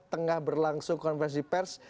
tengah berlangsung konversi pers